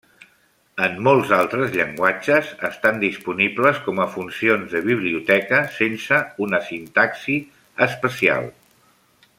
En molts altres llenguatges, estan disponibles com a funcions de biblioteca sense una sintaxi especial.